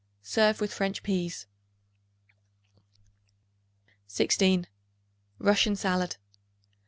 Serve with French peas. 16. Russian Salad.